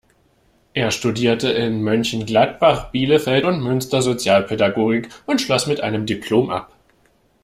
Er studierte in Mönchengladbach, Bielefeld und Münster Sozialpädagogik und schloss mit einem Diplom ab.